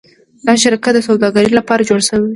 دا شرکت د سوداګرۍ لپاره جوړ شوی و.